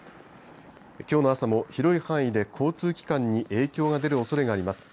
きょうの朝も広い範囲で交通機関に影響が出るおそれがあります。